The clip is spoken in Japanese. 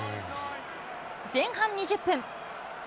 前半２０分。